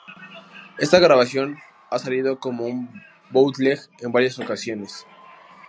Esta grabación ha salido como un bootleg en varias ocasiones.